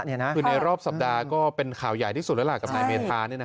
คือในรอบสัปดาห์ก็เป็นข่าวใหญ่ที่สุดแล้วล่ะกับนายเมธา